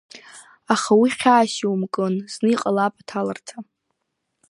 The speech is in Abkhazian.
Аха уи хьаас иумкын, зны иҟалап аҭаларҭа.